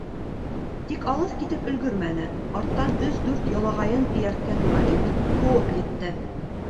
Тик алыҫ китеп өлгөрмәне, арттан өс-дүрт ялағайын эйәрткән Малик ҡыуып етте.